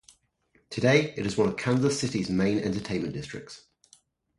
Today, it is one of Kansas City's main entertainment districts.